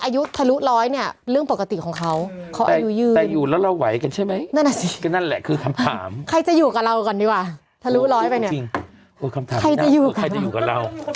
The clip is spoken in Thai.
บวกถึงหรอปะอายุที่เรามีอยู่ไงบวกถึงหรอ